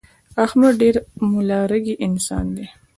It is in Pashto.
احمد ډېر ملا رګی انسان دی.